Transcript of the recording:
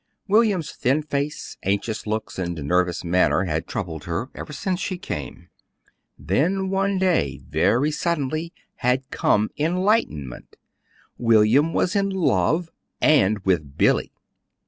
William's thin face, anxious looks, and nervous manner had troubled her ever since she came. Then one day, very suddenly, had come enlightenment: William was in love and with Billy. Mrs.